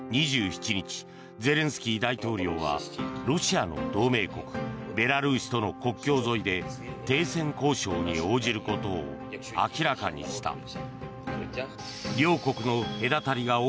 ７日、ゼレンスキー大統領はロシアの同盟国ベラルーシとの国境沿いで停戦交渉に応じることを明らかにした。